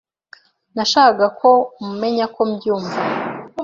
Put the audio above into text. Nashakaga ko umenya uko mbyumva.